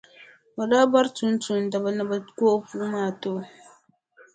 O daa bɔri tumtumdiba ni bɛ ko o puu maa n-ti o.